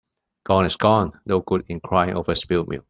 Gone is gone. No good in crying over spilt milk.